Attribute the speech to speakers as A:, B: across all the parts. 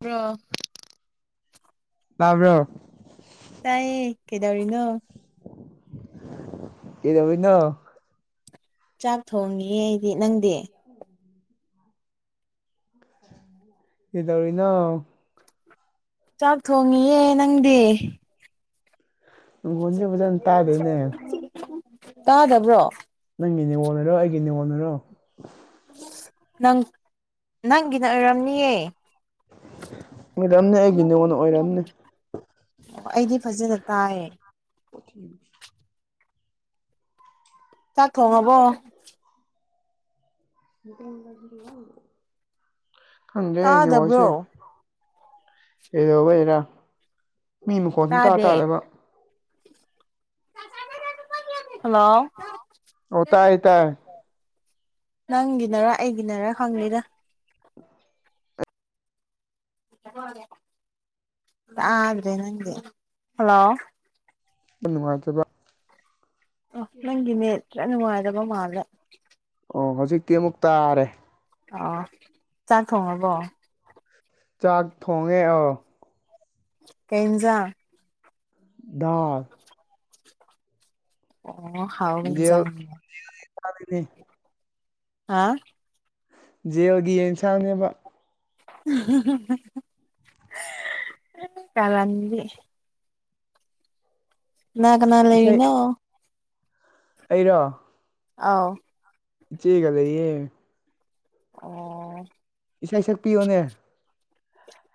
A: ꯄꯨ
B: ꯂꯕ꯭ꯔꯣ
A: ꯇꯥꯏꯌꯦ ꯀꯩꯗꯧꯔꯤꯅꯣ
B: ꯀꯗꯕꯅ
A: ꯆꯥꯛ ꯊꯣꯡꯅꯤꯌꯦ ꯑꯩꯗꯤ ꯅꯪꯗꯤ
B: [unintelligible] ꯍꯗꯧꯔꯤ ꯅ
A: ꯆꯥꯛ ꯊꯣꯡꯉꯤꯌꯦ ꯅꯪꯗꯤ
B: ꯅꯪꯈꯣꯟꯁꯦ ꯐꯖꯅ ꯇꯥꯗꯦꯅꯦ
A: ꯇꯥꯗꯕ꯭ꯔꯣ
B: ꯅꯪꯒꯤ ꯅꯤꯉꯣꯜ ꯑꯣꯏꯔꯣ ꯑꯩꯒꯤ ꯅꯤꯉꯣꯜ ꯑꯣꯏꯔꯣ
A: ꯅꯪ ꯅꯪꯒꯤꯅ ꯑꯣꯏꯔꯝꯅꯤꯌꯦ
B: ꯑꯣꯏꯔꯝꯅꯦ ꯑꯩꯒꯤ ꯅꯉꯣꯟꯅ ꯑꯣꯏꯔꯝꯅꯦ
A: ꯑꯣ ꯑꯩꯗꯤ ꯐꯖꯅ ꯇꯥꯏꯌꯦ
B: [inaudible]
A: ꯆꯥꯛ ꯊꯣꯡꯉꯕꯣ
B: ꯈꯪꯒꯦꯅꯦ
A: ꯇꯥꯗꯕ꯭ꯔꯣ
B: ꯋꯥꯁꯦ ꯀꯩꯗꯧꯕꯩꯔꯥ ꯃꯤ ꯃꯈꯣꯟ ꯁꯨꯝ ꯇꯥ
A: ꯇꯥꯗꯦ
B: ꯇꯥꯗꯕ
A: ꯍꯜꯂꯣ
B: ꯑꯣ ꯇꯥꯏ ꯇꯥꯏ
A: ꯅꯪꯒꯤꯅꯔ ꯑꯩꯒꯤꯅꯔ ꯈꯪꯂꯤꯔ ꯭ꯔꯦ ꯅꯪꯦ ꯍꯜꯂꯣ
B: ꯅꯨꯡꯉꯥꯏꯖꯕ
A: ꯑꯣ ꯅꯪꯒꯤꯅꯦ ꯈꯔ ꯅꯨꯡꯉꯥꯏꯔꯕ ꯃꯥꯜꯂ
B: ꯑꯣ ꯍꯧꯖꯤꯛꯇꯤ ꯑꯃꯨꯛ ꯇꯥꯔꯦ
A: ꯑꯣ ꯆꯥꯛ ꯊꯣꯡꯉꯕꯣ
B: ꯆꯥꯛ ꯊꯣꯡꯉꯦ ꯑꯧ
A: ꯀꯦꯟꯖꯥ
B: ꯗꯥꯜ
A: ꯑꯣ ꯍꯥꯎꯒꯖ
B: ꯖꯦꯜ ꯆꯥꯗꯣꯏꯅꯦ
A: ꯍꯥ
B: ꯖꯦꯜꯒꯤ ꯌꯦꯟꯁꯥꯡꯅꯦꯕ
A: ꯀꯗꯤ ꯉꯅꯥ ꯀꯅꯥ
B: ꯏꯁꯩ
A: ꯂꯩꯕꯤꯅ
B: ꯑꯩꯔꯣ
A: ꯑꯥꯎ
B: ꯆꯒ ꯂꯩꯌꯦ
A: ꯑꯣ
B: ꯏꯁꯩ ꯁꯛꯄꯤꯌꯣꯅꯦ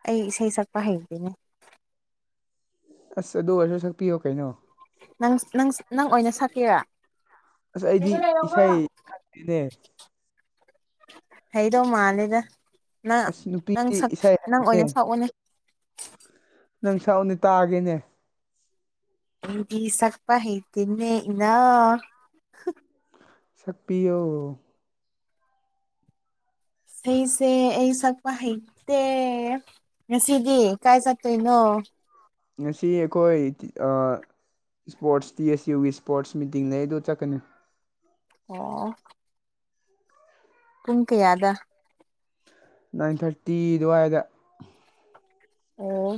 A: ꯑꯩ ꯏꯁꯩ ꯁꯛꯄ ꯍꯩꯗꯣꯏꯅꯦ
B: ꯑꯁ ꯑꯗꯨ ꯑꯣꯏꯔꯁꯨ ꯁꯛꯄꯤꯌꯣ ꯀꯩꯅꯣ
A: ꯅ ꯅ ꯅꯪ ꯑꯣꯏꯅ ꯁꯛꯀꯦꯔꯥ
B: ꯑꯁ ꯑꯩꯗꯤ ꯏꯁꯩ ꯈꯪꯗꯦꯅꯦ
A: ꯕ ꯍꯩꯗꯧ ꯃꯥꯜꯂꯦꯗ ꯅꯪ
B: ꯑꯁ
A: ꯅꯪ
B: ꯅꯨꯄꯤꯗꯤ ꯏꯁꯩ
A: ꯅꯪ
B: ꯍꯩꯕꯅꯦ
A: ꯑꯣꯏꯅ ꯁꯛꯎꯅꯦ
B: ꯅꯪ ꯁꯥꯎꯅꯤ ꯇꯥꯒꯤꯅꯦ
A: ꯏꯗꯤ ꯁꯛꯄ ꯍꯩꯇꯅꯦ ꯏꯅꯥ
B: ꯁꯛꯄꯤꯌꯣ
A: ꯁꯤꯁꯦ ꯑꯩ ꯆꯛꯄ ꯍꯥꯏꯩꯇ ꯉꯁꯤꯗꯤ ꯀꯥꯏ ꯆꯠꯇꯣꯏꯅꯣ
B: ꯉꯁꯤ ꯑꯩꯈꯣꯏ ꯏꯁꯄꯣꯔꯠꯁ ꯗꯤ ꯑꯦꯁ ꯌꯨꯒꯤ ꯏꯁꯄꯣꯔꯠꯁ ꯃꯤꯇꯤꯡꯅꯦ ꯑꯩ ꯑꯗꯨ ꯆꯠꯀꯅꯤ
A: ꯑꯣ ꯏꯪ ꯀ ꯌꯥꯗ
B: ꯅꯥꯏꯟ ꯊꯥꯔꯇꯤ ꯑꯗꯨꯋꯥꯏꯗ
A: ꯑꯣ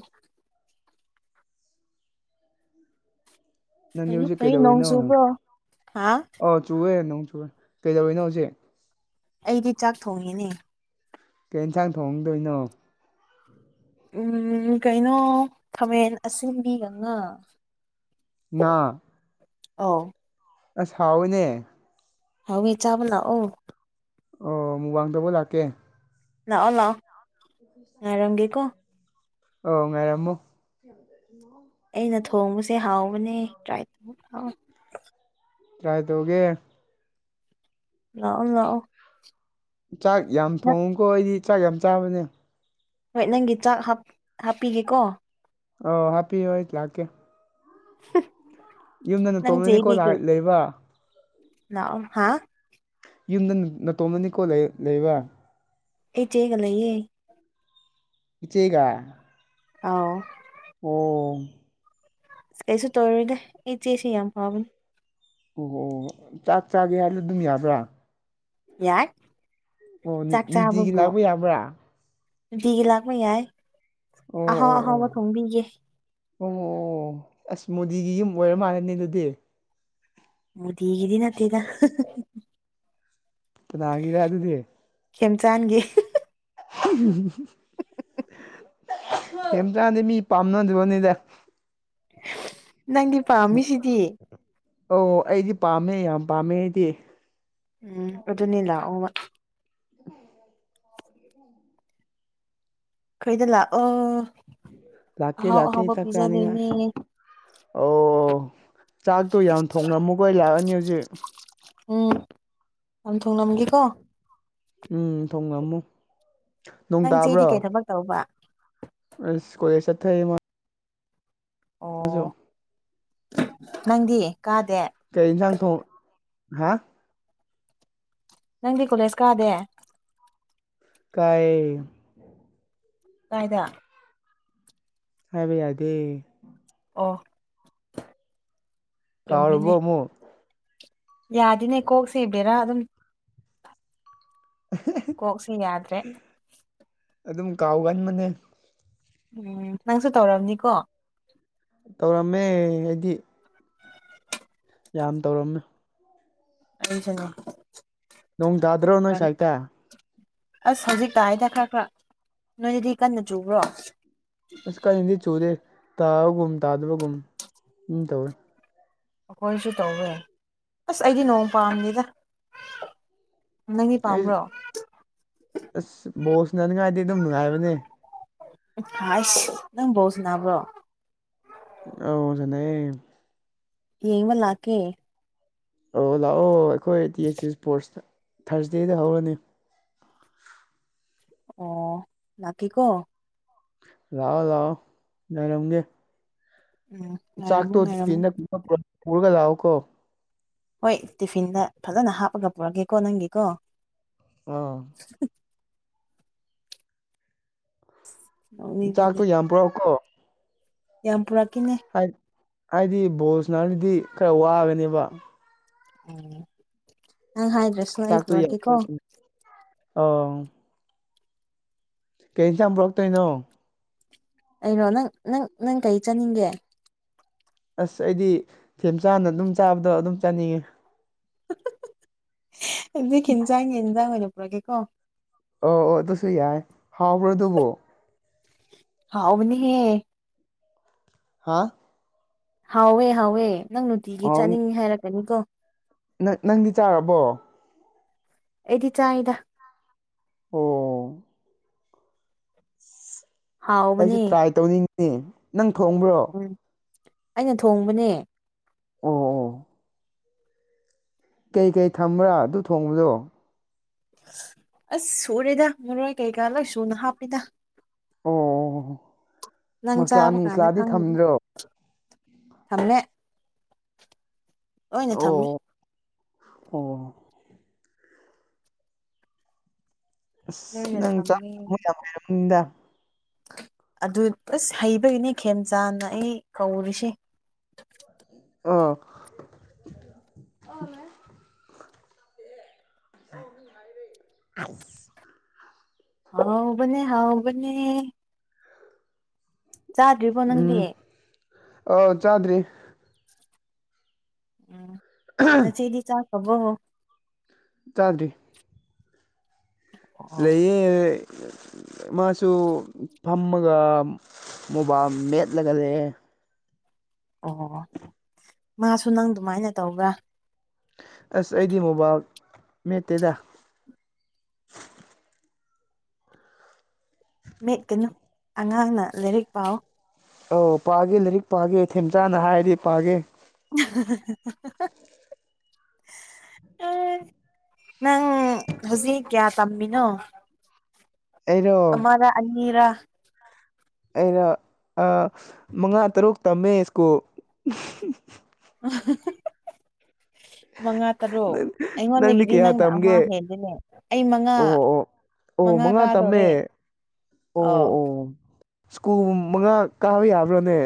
B: ꯅꯪꯗꯤ
A: ꯐꯩ
B: ꯍꯧꯖꯤꯛ
A: ꯐꯩ ꯅꯣꯡ
B: ꯀꯩꯗꯧꯔꯤꯅꯣ
A: ꯆꯨꯕ꯭ꯔꯣ ꯍꯥ
B: ꯑ ꯆꯨꯔꯦ ꯅꯪ ꯆꯨꯔꯦ ꯀꯩꯗꯧꯔꯤꯅꯣ ꯍꯧꯖꯤꯛ
A: ꯑꯩꯗꯤ ꯆꯥꯛ ꯊꯣꯡꯉꯤꯅꯦ
B: ꯀꯩ ꯌꯦꯟꯁꯥꯡ ꯊꯣꯡꯍꯗꯣꯏꯅꯣ
A: ꯎꯝ ꯀꯩꯅꯣ ꯊꯥꯃꯦꯟ ꯑꯁꯤꯟꯕꯤꯒ ꯉꯥ
B: [inaudible]
A: ꯑ
B: ꯑꯁ ꯍꯥꯎꯋꯤꯅꯦ
A: ꯍꯥꯎꯋꯤ ꯆꯥꯕꯅ ꯑ
B: ꯑꯣ ꯃꯨꯃꯡꯗꯕꯨ ꯂꯥꯛꯀꯦ
A: ꯂ ꯑꯥꯎ ꯂꯥꯛ ꯅꯔꯪꯒꯀ
B: ꯑꯣ ꯉꯥꯏꯔꯝꯃꯣ ꯌꯥꯝꯃꯣ
A: ꯑꯩꯅ ꯊꯣꯡꯕꯁꯦ ꯍꯥꯎꯕꯅꯦ ꯇ꯭ꯔꯥꯏ ꯇꯧꯕ ꯍꯥꯎꯋ
B: ꯇ꯭ꯔꯥꯏ ꯇꯧꯒꯦ
A: ꯂꯥꯛꯑꯣ ꯂꯥꯛꯑꯣ
B: ꯆꯥꯛ ꯌꯥꯝ
A: ꯅꯪ
B: ꯊꯣꯡꯉꯨꯀꯣ ꯑꯩꯗꯤ ꯆꯥꯛ ꯌꯥꯝ ꯆꯥꯕꯅꯦ
A: ꯍꯣꯏ ꯅꯪꯒꯤ ꯆꯥꯛ ꯍꯥꯞꯄꯤꯒꯦꯀꯣ
B: ꯑꯣ ꯍꯥꯦꯞꯄꯤ ꯑꯣꯏꯠ ꯂꯥꯛꯀꯦ
A: ꯍ
B: ꯌꯨꯝꯗꯅ ꯇꯣꯝꯅꯅꯤꯀꯣ ꯂꯥꯏ ꯂꯩꯕ
A: ꯂꯅꯥꯎ ꯍꯥ
B: ꯌꯨꯝꯗ ꯅꯇꯣꯝꯃꯅꯤꯀꯣ ꯂꯩꯕ꯭ꯔꯥ
A: ꯑꯩ ꯆꯦꯒ ꯂꯩꯌꯦ
B: ꯏꯆꯦꯒ
A: ꯑꯥꯎ
B: ꯑꯣ
A: ꯀꯩꯁꯨ ꯇꯧꯔꯨꯣꯏꯗꯦ ꯏꯆꯦꯁꯤ ꯌꯥꯝ ꯐꯥꯕꯅꯦ
B: ꯑꯣ ꯑꯣ ꯆꯥꯛ ꯆꯥꯒꯦ ꯍꯥꯏꯔꯗꯤ ꯑꯗꯨꯝ ꯌꯥꯕ꯭ꯔꯥ
A: ꯌꯥꯏ
B: ꯑꯣ ꯅꯨ
A: ꯆꯥꯛ
B: ꯅꯨꯡꯇꯤꯒꯤ
A: ꯆꯥꯕꯕꯨꯣ
B: ꯂꯥꯛꯄ ꯌꯥꯕ꯭ꯔꯥ
A: ꯅꯨꯡꯇꯒꯤ ꯂꯥꯛꯄ ꯌꯥꯏ
B: ꯑꯣ
A: ꯑꯍꯥꯎ
B: ꯑꯣ ꯑꯣ
A: ꯑꯍꯥꯎꯕ ꯊꯣꯡꯕꯤꯒꯦ
B: ꯑꯣ ꯑꯁ ꯃꯣꯗꯤꯒꯤ ꯌꯨꯝ ꯑꯣꯏꯔ ꯃꯥꯜꯂꯅꯤ ꯑꯗꯨꯗꯤ
A: ꯃꯗꯤ ꯍꯒꯗ ꯅꯠꯇꯗ
B: ꯑ ꯅꯪꯒꯤꯔꯥ ꯑꯗꯨꯗꯤꯦ
A: ꯈꯦꯝꯆꯥꯟꯒꯤ
B: ꯀꯝꯇꯥꯟꯗꯤꯦ ꯃꯤ ꯄꯥꯝꯅꯗꯕꯅꯤꯗ
A: ꯅꯪꯗꯤ ꯄꯃꯤꯁꯤꯗꯤ
B: ꯑꯣ ꯑꯩꯗꯤ ꯄꯥꯝꯃꯦ ꯌꯥꯝ ꯄꯥꯝꯃꯦ ꯑꯩꯗꯤ
A: ꯎꯝ ꯑꯗꯨꯅꯤꯂ ꯑꯣ
B: ꯑ ꯎꯝ
A: ꯀꯩꯗꯂꯥ ꯑꯣ
B: ꯂꯥꯛꯇ ꯂꯥꯛꯇ ꯏ ꯊꯥꯛ ꯇꯥꯅꯤꯡꯉ ꯑꯣ ꯆꯥꯛꯇꯣ ꯌꯥꯝ ꯊꯣꯡꯉꯝꯃꯨꯒꯣꯏ ꯂꯥꯛꯑꯅꯤ ꯍꯧꯖꯤꯛ
A: ꯎꯝ ꯌꯥꯝ ꯊꯨꯡꯅꯝꯒꯦꯀꯣ
B: ꯎꯝ ꯊꯣꯡꯉꯝꯃꯨ ꯅꯣꯡ
A: ꯅꯪ ꯆꯦꯗꯤ ꯀꯩ ꯊꯕꯛ ꯇꯧꯕ
B: ꯏꯁ ꯀꯣꯏ ꯆꯊꯔꯗꯤ ꯃꯥ
A: ꯑꯣ
B: ꯍꯧꯖꯣ
A: ꯅꯪꯗꯤ ꯀꯥꯗꯦ
B: ꯀꯩꯅꯁꯪ ꯊꯣꯡ ꯍꯥ
A: ꯅꯪꯗꯤ ꯀꯣꯂꯦꯖ ꯀꯥꯗꯦ
B: ꯀꯥꯏ
A: ꯀꯥꯏꯗ
B: ꯍꯥꯏꯕ ꯌꯥꯗꯦ
A: ꯑꯣ
B: ꯀꯩꯔꯕꯣ
A: ꯆꯨꯝꯃꯤꯅꯦ
B: ꯑꯃꯨꯛ
A: ꯌꯥꯗꯤꯅꯦ ꯀꯣꯛꯁꯦ ꯏꯕꯗꯤꯔꯥ ꯑꯗꯨꯝ ꯀꯣꯛꯁꯤ ꯌꯥꯗ꯭ꯔꯦ
B: ꯑꯗꯨꯝ ꯀꯥꯎꯒꯟꯕꯅꯦ
A: ꯎꯝ ꯅꯪꯁꯨ ꯇꯧꯔꯕꯅꯤꯀꯣ
B: ꯇꯧꯔꯝꯃꯦ ꯑꯩꯗꯤ ꯌꯥꯝ ꯇꯧꯔꯝꯃꯤ
A: ꯑꯩꯁꯅꯤ
B: ꯅꯪꯗꯗ꯭ꯔꯣ ꯅꯣꯏꯁ ꯍꯥꯏꯥꯏꯇ
A: ꯑꯁ ꯍꯧꯖꯤꯛ ꯇꯥꯏꯗ ꯈꯔ ꯈꯔ ꯅꯣꯏꯅꯗꯤ ꯀꯟꯅ ꯆꯨꯕ꯭ꯔꯣ
B: ꯑꯁ ꯀꯔꯤꯗꯤ ꯆꯨꯗꯦ ꯇꯥꯕꯒꯨꯝ ꯇꯥꯗꯕꯒꯨꯝ ꯑꯗꯨꯝ ꯇꯧꯋꯦ
A: ꯑꯩꯈꯣꯏꯅꯁꯨ ꯇꯧꯋꯦ ꯑꯁ ꯑꯩꯗꯤ ꯅꯣꯡ ꯄꯥꯝꯅꯤꯗ
B: ꯑꯩ ꯑꯁ ꯕꯣꯁꯅꯅꯤꯡꯉꯥꯏꯗꯤꯦ ꯑꯗꯨꯝ ꯅꯨꯡꯉꯥꯏꯕꯅꯦ
A: ꯑꯁ ꯅꯪ ꯕꯣꯜ ꯁꯅꯥꯕ꯭ꯔꯣ
B: ꯑꯧꯖꯅꯩ
A: ꯌꯦꯡꯕ ꯂꯥꯛꯀꯦ
B: ꯑꯣ ꯂꯥꯛꯑꯣ ꯑꯩꯈꯣꯏ ꯇ ꯑꯁꯤ ꯏꯁꯄꯣꯔꯠꯁꯇ ꯊꯥꯔꯁꯗꯦꯗ ꯍꯧꯔꯅꯤ
A: ꯑꯣ ꯂꯀ ꯀꯣ
B: ꯂꯥꯛꯑꯣ ꯂꯥꯛꯑꯣ ꯉꯥꯢꯔꯝꯒꯦ
A: ꯎꯝ ꯉꯥꯏꯔꯝꯃꯨ
B: ꯆꯥꯛꯇꯣꯗꯤ
A: ꯉꯥꯏꯔꯝꯃꯨ
B: ꯐꯤꯅ ꯄꯨꯔꯒ ꯂꯥꯛꯎ ꯀꯣ
A: ꯍꯣꯏ ꯇꯤꯐꯤꯟꯗ ꯐꯖꯅ ꯍꯥꯞꯄꯒ ꯄꯨꯔꯒꯦꯀꯣ ꯅꯪꯒꯤꯀꯣ
B: ꯑꯥ
A: ꯎ
B: ꯆꯥꯛꯇꯣ
A: ꯅꯣꯛꯅꯤꯡꯉꯤꯅꯦ
B: ꯌꯥꯝ ꯄꯨꯔꯛꯑꯣ ꯀꯣ
A: ꯌꯥꯝ ꯄꯨꯔꯛ ꯀꯦꯅꯦ
B: ꯍꯥꯏꯗꯤ ꯕꯣꯁꯅꯗꯨꯗꯤ ꯈꯔ ꯋꯥꯒꯅꯦꯕ
A: ꯎ ꯅꯪ ꯍꯥꯏꯗ꯭ꯔꯁꯅ ꯑꯩ ꯄꯨꯔꯒꯦꯀꯣ
B: ꯑꯣ ꯀꯩ ꯏꯟꯆ ꯄꯨꯔꯛꯇꯣꯏꯅꯣ
A: ꯀꯩꯅꯣ ꯅꯪ ꯅꯪ ꯅꯪ ꯀꯔꯤ ꯆꯥꯅꯤꯡꯒꯦ
B: ꯑꯁ ꯑꯩꯗꯤ ꯊꯦꯝꯆꯥꯥꯅ ꯑꯗꯨꯝ ꯆꯥꯕꯗꯣ ꯑꯗꯨꯝ ꯆꯥꯅꯤꯡꯉꯦ
A: ꯍꯧꯛ ꯍꯤꯟꯖꯥꯡꯒꯤ ꯌꯦꯟꯖꯥꯡ ꯑꯣꯏꯅ ꯄꯨꯔꯛꯒꯦꯀꯣ
B: ꯑꯣ ꯑꯣ ꯑꯗꯨꯁꯨ ꯌꯥꯏ ꯍꯥꯎꯕ꯭ꯔꯣ ꯑꯗꯨꯕꯨ
A: ꯍꯥꯎꯅꯤꯒꯦ
B: ꯍꯥ
A: ꯍꯥꯎꯋꯦ ꯍꯥꯎꯋꯦ ꯅꯪ ꯅꯨꯡꯇꯤꯒꯤ ꯆꯥꯅꯤꯡꯉꯤ ꯍꯥꯏꯔꯛꯀꯅꯤꯀꯣ
B: ꯅ ꯅꯪꯗꯤ ꯆꯥꯔꯕꯣ
A: ꯑꯩꯗꯤ ꯆꯥꯍꯥꯢꯗ
B: ꯑꯣ ꯑꯩꯁꯨ
A: ꯍꯥꯎꯕꯅꯦ
B: ꯇ꯭ꯔꯥꯏ ꯇꯧꯅꯤꯡꯉꯤ ꯅꯪ ꯊꯣꯡꯕ꯭ꯔꯣ
A: ꯎ ꯑꯩꯅ ꯊꯣꯡꯕꯅꯦ
B: ꯑꯣ ꯑꯣ ꯀꯩꯀꯩ ꯊꯝꯕ꯭ꯔꯥ ꯑꯗꯨ ꯊꯣꯡꯕꯗꯣ
A: ꯑꯁ ꯁꯨꯔꯦꯗ ꯃꯔꯣꯏ ꯀꯩꯀꯥ ꯂꯣꯏ ꯁꯨꯅ ꯍꯥꯞꯄꯦꯗ
B: ꯑꯣ
A: ꯅꯪ
B: ꯃꯁꯂꯥ
A: ꯆꯥꯕ ꯀꯥꯟꯅ
B: ꯅꯨꯡꯁꯂꯥꯗꯤ
A: ꯈꯪꯉꯅꯤ
B: ꯊꯝꯗ꯭ꯔꯣ
A: ꯊꯪꯅ ꯂꯣꯏꯅ
B: ꯑꯣ
A: ꯊꯝꯃꯦ
B: ꯑꯣ ꯑꯁ
A: ꯂꯣꯏꯅ
B: ꯅꯪ ꯆꯥꯛ
A: ꯊꯝꯃꯦ
B: ꯍꯥꯏꯔꯕꯔꯕꯅꯤꯗ
A: ꯑꯗꯨ ꯑꯁ ꯍꯩꯕꯒꯤꯅꯦ ꯈꯦꯝꯆꯥꯥꯟꯅ ꯑꯩ ꯀꯧꯔꯤꯁꯦ
B: ꯑ [inaudible]
A: ꯍꯥꯎꯕꯅꯦ ꯍꯥꯎꯕꯅꯦ ꯆꯥꯗ꯭ꯔꯤꯕꯣ ꯅꯪꯗꯤ
B: ꯎꯝ ꯑꯥꯎ ꯆꯥꯗ꯭ꯔꯤ
A: ꯎꯝ ꯅꯆꯦꯗꯤ ꯆꯥꯛ ꯍꯕ
B: ꯆꯗ꯭ꯔꯤ
A: ꯑꯣ
B: ꯂꯩꯌꯦ ꯃꯥꯁꯨ ꯐꯝꯃꯒ ꯃꯣꯕꯥꯏꯜ ꯃꯦꯠꯂꯒ ꯂꯩꯦ
A: ꯑꯣ ꯃꯥꯁꯨ ꯅꯪ ꯑꯗꯨꯃꯥꯏꯅ ꯇꯧꯕ꯭ꯔꯥ
B: ꯑꯁ ꯑꯩꯗꯤ ꯃꯣꯕꯥꯏꯜ ꯃꯦꯠꯇꯦꯗ
A: ꯃꯦꯠꯀꯅꯨ ꯑꯉꯥꯡꯅ ꯂꯥꯏꯔꯤꯛ ꯄꯥꯎ
B: ꯑꯧ ꯄꯥꯒꯦ ꯂꯥꯏꯔꯤꯛ ꯄꯥꯒꯦ ꯊꯦꯝꯆꯥꯅ ꯍꯥꯏꯔꯗꯤ ꯄꯥꯒꯦ
A: ꯎ ꯅꯪ ꯍꯧꯖꯤꯛ ꯀꯌꯥ ꯇꯝꯃꯤꯅꯣ
B: ꯑꯩꯔꯣ
A: ꯑꯃꯔ ꯑꯅꯤꯔ
B: ꯑꯩꯅ ꯃꯉꯥ ꯇꯔꯨꯛ ꯇꯝꯃꯦ ꯁ꯭ꯀꯨꯜ
A: [inaudible]
B: ꯎꯝ
A: ꯃꯉꯥ ꯇꯔꯨꯛ ꯑꯩꯉꯣꯟꯗꯒꯤꯗꯤ ꯅꯪꯅ ꯑꯃ
B: ꯇꯝꯒꯦ
A: ꯍꯦꯟꯜꯂꯤꯅꯦ ꯑꯩ ꯃꯉꯥ
B: ꯑꯣ ꯑꯣ ꯑꯣ
A: ꯃꯉꯥ
B: ꯇꯝꯃꯦ
A: ꯀꯥꯗꯣꯂꯦ ꯑꯣ
B: ꯁ꯭ꯀꯨꯜ ꯃꯉꯥ ꯀꯥꯕ ꯌꯥꯕ꯭ꯔꯥꯅꯦ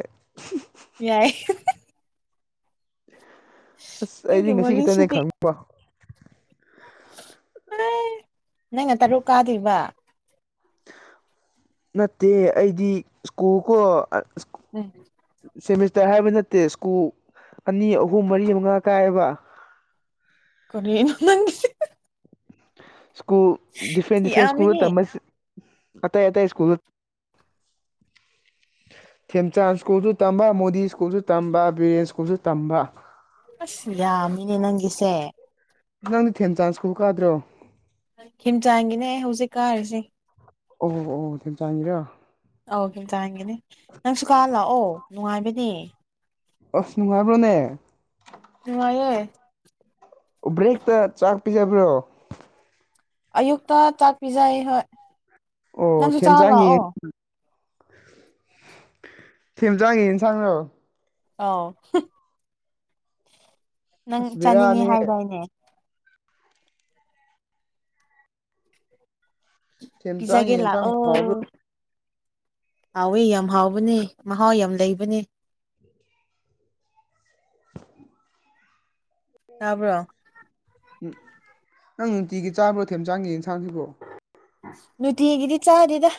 A: ꯌꯥꯏ
B: ꯑꯁ
A: ꯅꯪꯒꯤ
B: ꯑꯩꯗꯤ ꯉꯁꯤ ꯈꯤꯇꯅꯦ
A: ꯋꯥꯔꯤꯁꯤꯗꯤ
B: ꯈꯪꯅꯤꯡꯕ
A: ꯅꯪꯅ ꯇꯔꯨꯛ ꯀꯥꯗ꯭ꯣꯏꯔꯤꯕ
B: ꯅꯠꯇꯦ ꯑꯩꯗꯤ ꯁ꯭ꯀꯨꯜ ꯀꯣ
A: ꯎꯝ
B: ꯁꯦꯃꯤꯁꯇꯔ ꯍꯥꯏꯕ ꯅꯠꯇꯦ ꯁ꯭ꯀꯨꯜ ꯑꯅꯤ ꯑꯍꯨꯝ ꯃꯔꯤ ꯃꯉꯥ ꯀꯥꯏꯑꯕ
A: ꯀꯔꯤꯅꯣ ꯅꯪꯒꯤꯁꯦ
B: ꯁ꯭ꯀꯨꯜ ꯗꯤꯐ꯭ꯔꯦꯟ ꯗꯤꯐ꯭ꯔꯦꯟ ꯁ꯭ꯀꯨꯜꯗ
A: ꯌꯥꯝꯃꯤꯍꯦ
B: ꯇꯝꯝꯕ ꯑꯇꯩ ꯑꯇꯩ ꯁ꯭ꯀꯨꯜ ꯊꯦꯝꯆꯥꯟ ꯁ꯭ꯀꯨꯜꯁꯨ ꯇꯝꯕ ꯃꯣꯗꯤ ꯁ꯭ꯀꯨꯜꯁꯨ ꯇꯝꯕ ꯕꯤꯔꯦꯟ ꯁ꯭ꯀꯨꯜꯁꯨ ꯇꯝꯕ
A: ꯑ ꯌꯥꯃꯤꯅꯦ ꯅꯪꯒꯤꯁꯦ
B: ꯅꯪꯗꯤ ꯊꯦꯟ ꯆꯥꯟꯁꯀꯕ ꯀꯥꯗ꯭ꯔꯣ
A: ꯍꯝꯆꯥꯡꯒꯤꯅꯦ ꯍꯧꯖꯤꯛ ꯀꯥꯔꯤꯁꯦ
B: ꯑꯣ ꯑꯣ ꯊꯝ ꯆꯥ [inaudible]
A: ꯑꯧ ꯍꯟꯇꯟꯒꯅꯤ ꯅꯪ ꯁꯨꯀꯥ ꯂꯥꯛꯑꯣ ꯅꯨꯡꯉꯥꯏꯕꯅꯦ
B: ꯑꯣꯁꯅꯅꯨꯡꯉꯕ꯭ꯔꯣꯅꯦ
A: ꯅꯨꯡꯉꯥꯏꯑꯦ
B: ꯕ꯭ꯔꯦꯛꯇ ꯆꯥꯛ ꯄꯤꯖꯕ꯭ꯔꯣ
A: ꯑꯌꯨꯛꯇ ꯆꯥꯛ ꯄꯤꯖꯩ ꯍꯣꯏ
B: ꯑꯣ
A: ꯅꯪꯁꯨ ꯆꯥꯔ
B: ꯊꯦꯟꯖꯥꯡꯉ
A: ꯂꯥꯛꯑꯣ
B: ꯊꯦꯝꯖꯥꯡꯉꯟꯁꯥꯡꯅꯣ
A: ꯑꯥꯎ ꯅꯪ
B: ꯑꯁ
A: ꯆꯥꯅꯤꯡꯉꯦ
B: ꯕꯦꯔꯥꯅꯤꯍꯦ
A: ꯍꯥꯏꯗꯥꯏꯅꯦ
B: ꯊꯦꯝꯆꯥꯡꯒꯤ
A: ꯄꯤꯖꯥꯒꯦꯂꯥ
B: ꯌꯦꯟꯁꯥꯡꯕꯨ
A: ꯑꯣ
B: ꯍꯥꯎꯕ꯭ꯔꯣ
A: ꯍꯥꯎꯋꯦ ꯌꯥꯝ ꯍꯥꯎꯕꯅꯤ ꯃꯍꯥꯎ ꯌꯥꯝ ꯂꯩꯕꯅꯤ ꯇꯥꯕ꯭ꯔꯣ
B: ꯅꯪ ꯅꯨꯡꯇꯤꯒꯤ ꯆꯥꯕ꯭ꯔꯣ ꯊꯦꯝꯆꯥꯡꯒꯤ ꯌꯦꯟꯁꯥꯡꯁꯤꯕꯣ
A: ꯅꯨꯡꯇꯤꯒꯤꯗꯤ ꯆꯥꯗꯦꯗ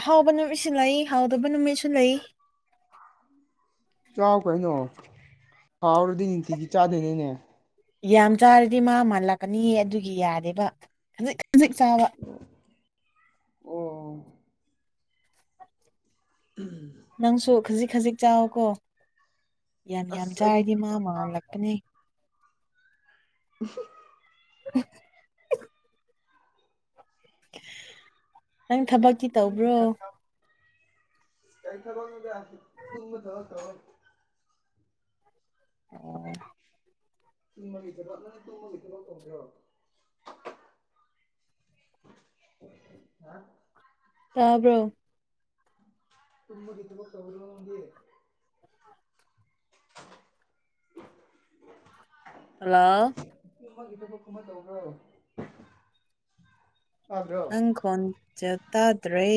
A: ꯑꯍꯥꯎꯕ ꯅꯨꯃꯤꯠꯁꯨ ꯂꯩ ꯍꯥꯎꯗꯕ ꯅꯨꯃꯤꯠꯁꯨ ꯂꯩ
B: ꯆꯥꯎꯥꯛ ꯀꯩꯅꯣ ꯍꯥꯎꯔꯗꯤ ꯅꯨꯡꯇꯤꯒꯤ ꯆꯥꯗꯣꯏꯅꯦꯅꯦ
A: ꯌꯥꯝ ꯆꯥꯔꯗꯤ ꯃꯥ ꯃꯥꯜꯂꯛꯀꯅꯤꯌꯦ ꯑꯗꯨꯒꯤ ꯌꯥꯗꯦꯕ ꯈꯖꯤꯛ ꯈꯖꯤꯛ ꯆꯥꯕ
B: ꯑꯣ ꯎꯝ
A: ꯅꯪꯁꯨ ꯈꯖꯤꯛ ꯈꯖꯤꯛ ꯆꯥꯎꯀꯣ ꯌꯥꯝ ꯌꯥꯝ
B: ꯑꯁ ꯑꯩꯗꯤ
A: ꯆꯥꯔꯗꯤ ꯃꯥ ꯃꯥꯜꯂꯛꯄꯅꯦ
B: ꯎ
A: ꯎ ꯅꯪ ꯊꯕꯛꯀꯤ ꯇꯧꯕ꯭ꯔꯣ
B: ꯌꯥ ꯊ ꯊ
A: ꯑꯣ
B: ꯆꯨꯡ ꯀ ꯀ [unintelligible]
A: ꯇꯥꯕ꯭ꯔꯣ
B: ꯃ ꯏ ꯆꯕ ꯅ [inaudible]
A: ꯍꯜꯂꯣ
B: ꯇꯥꯏ ꯇꯒ꯭ꯔ
A: ꯅꯪ ꯈꯣꯟꯖꯦꯟ ꯇꯥꯗ꯭ꯔꯦ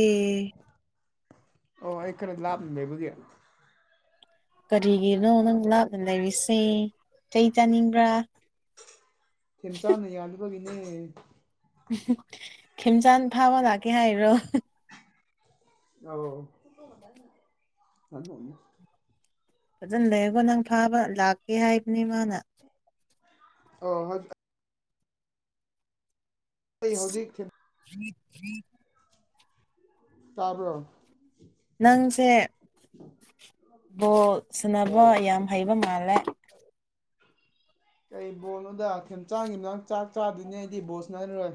B: ꯑꯣ ꯑꯩ ꯈꯔ ꯂꯥꯞꯅ ꯂꯩꯕꯒꯤ
A: ꯀꯔꯤꯒꯤꯅꯣ ꯅꯪ ꯂꯥꯞꯅ ꯂꯩꯔꯤꯁꯦ ꯆꯩ ꯆꯥꯅꯤꯡꯕ꯭ꯔꯥ
B: ꯊꯦꯝꯆꯥꯥꯅ ꯌꯥꯂꯨꯕꯒꯤꯅꯦ
A: ꯈꯝꯆꯥꯟ ꯐꯥꯕ ꯂꯥꯛꯀꯦ ꯍꯥꯏꯔꯣ
B: ꯑꯥꯎ ꯊꯅꯤ
A: ꯐꯖꯅ ꯂꯩꯔꯒꯣ ꯅꯪ ꯐꯥꯕ ꯂꯥꯛꯀꯦ ꯍꯥꯏꯕꯅꯦ ꯃꯥꯅ
B: ꯑ ꯍꯧ ꯑꯩ ꯍꯧꯖꯤꯛꯈꯤ
A: ꯊ꯭ꯔꯤ ꯊ꯭ꯔꯤ
B: ꯇꯥꯕ꯭ꯔꯣ
A: ꯅꯪꯁꯦ ꯕꯣꯜ ꯁꯨꯅꯕ
B: ꯑꯧ
A: ꯌꯥꯝ ꯍꯩꯕ ꯃꯥꯜꯂꯦ
B: ꯀꯩ ꯕꯣꯜꯅꯣꯗ ꯈꯦꯝꯆꯥꯡꯒꯤ ꯅꯪ ꯆꯥꯛ ꯆꯥꯗꯣꯏꯅꯦ ꯑꯩꯗꯤ ꯕꯣꯜꯁꯅꯥꯔꯔꯣꯏ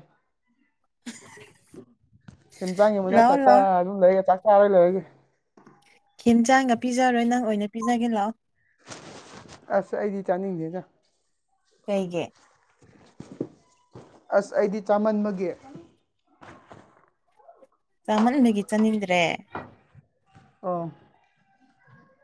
A: ꯎ
B: ꯊꯤꯟꯖꯥꯡꯒꯤ ꯃꯅꯥꯛ ꯈꯛꯇ ꯑꯗꯨꯝ ꯂꯩꯔꯒ ꯆꯥꯛ ꯆꯥꯔꯣꯏ ꯂꯩꯏꯔꯒꯦ
A: ꯈꯦꯝꯆꯥꯡꯒ ꯄꯤꯖꯔꯣꯏ ꯅꯪ ꯑꯣꯏꯅ ꯄꯤꯖꯒꯦ ꯂꯥꯛꯑꯣ
B: ꯑꯁ ꯑꯩꯗꯤ ꯆꯥꯅꯤꯡꯗꯦꯖ
A: ꯀꯩꯒꯤ
B: ꯑꯁ ꯑꯩꯗꯤ ꯆꯥꯃꯟꯕꯒꯤ
A: ꯆꯃꯟ ꯃꯒꯤ ꯆꯅꯤꯡꯗ꯭ꯔꯦ
B: ꯑ